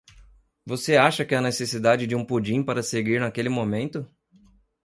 Você acha que há necessidade de um pudim para seguir naquele momento?